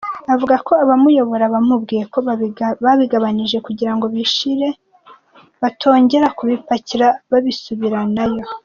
Avuga ko abamuyobora bamubwiye ko babigabanyije kugira ngo bishire batongera kubipakira babisubiranayo.